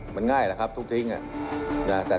มีความรู้สึกว่า